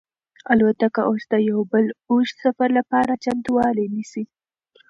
الوتکه اوس د یو بل اوږد سفر لپاره چمتووالی نیسي.